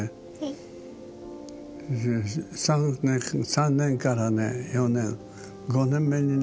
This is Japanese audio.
３年からね４年５年目になるとね